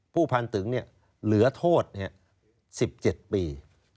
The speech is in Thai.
ผู้พันตึงเหลือโทษ๑๗ปี